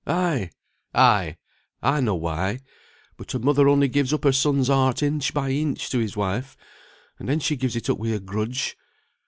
Ay, ay! I know why; but a mother only gives up her son's heart inch by inch to his wife, and then she gives it up with a grudge.